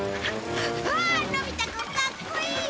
わあのび太くんかっこいい！